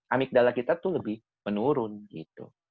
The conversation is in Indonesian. amigdala kita tuh lebih menurun gitu